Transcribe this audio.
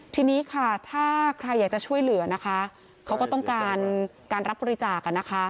ทีนี้ค่ะถ้าใครอยากจะช่วยเหลือนะคะเขาก็ต้องการการรับบริจาค